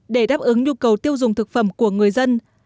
để đáp ứng nhu cầu tiêu dùng thực phẩm của người dân